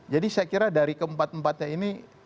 jadi saya kira dari keempat empatnya ini